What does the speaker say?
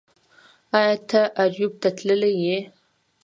ایا ته اریوب ته تللی یې